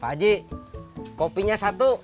pak haji kopinya satu